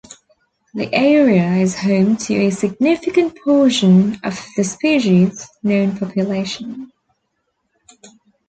The area is home to a significant portion of the species' known population.